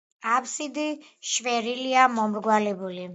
აბსიდი შვერილია, მომრგვალებული.